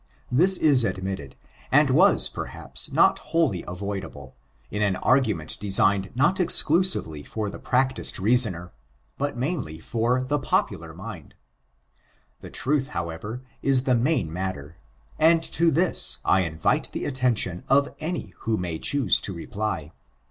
This is admitted, and was, perhaps, not wholly avoidable, in an argument designed not exclusively for the practiced reasoner, but mainly for the popular mind. Their truth, however, is the main matter; and to this I invite the attention of any who may choose to reply.